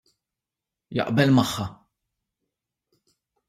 Jaqbel magħha.